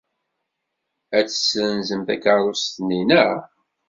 Ad tessenzem takeṛṛust-nni, naɣ?